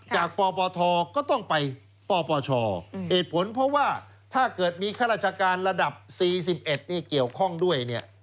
ปปทก็ต้องไปปปชเหตุผลเพราะว่าถ้าเกิดมีข้าราชการระดับ๔๑นี่เกี่ยวข้องด้วยเนี่ย